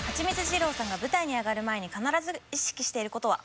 二郎さんが舞台に上がる前に必ず意識している事は？